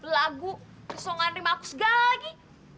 lagu kesongan rima aku segala lagi